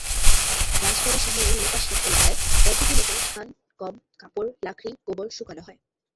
রাজবাড়ী শহরের লোকোশেড এলাকায় বধ্যভূমিটিতে ধান, গম, কাপড়, লাকড়ি, গোবর শুকানো হয়।